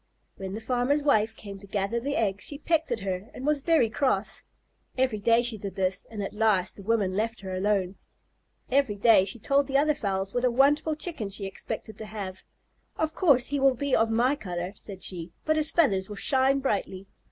When the farmer's wife came to gather the eggs she pecked at her and was very cross. Every day she did this, and at last the woman let her alone. Every day she told the other fowls what a wonderful Chicken she expected to have. "Of course he will be of my color," said she, "but his feathers will shine brightly.